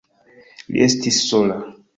Li estis sola.